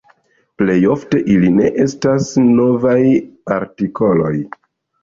Plej ofte ili ne estas novaj artikoloj.